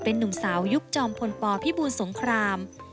หนุ่มสาวยุคจอมพลปพิบูลสงคราม